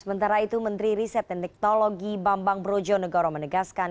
sementara itu menteri riset dan teknologi bambang brojonegoro menegaskan